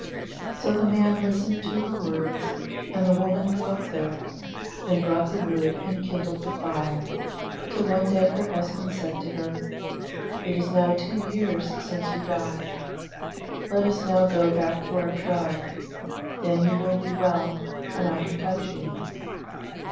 So the man listened to her words, and the woman dwelt there, and brought the wood and kindled the fire, till one day her husband said to her, 'It is now two years since you died. Let us now go back to our tribe. Then you will be well, and I can touch you.